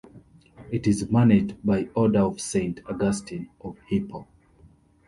It is managed by Order of Saint Augustine of Hippo.